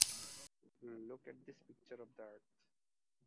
Look at this picture of the earth.